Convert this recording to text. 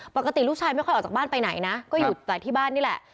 ปกติลูกชายไม่ค่อยออกจากบ้านไปไหนนะก็อยู่แต่ที่บ้านนี่แหละ